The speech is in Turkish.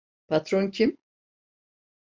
Patron kim?